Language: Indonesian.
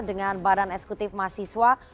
dengan baran eksekutif mahasiswa